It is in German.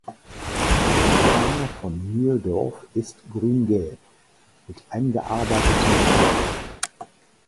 Die Fahne von Mühldorf ist Grün-Gelb mit eingearbeitetem Wappen.